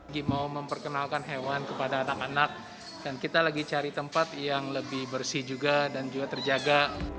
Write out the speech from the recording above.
dia mau memperkenalkan hewan kepada anak anak dan kita lagi cari tempat yang lebih bersih juga dan juga terjaga